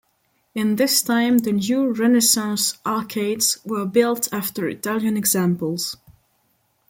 In this time the new Renaissance arcades were built after Italian examples.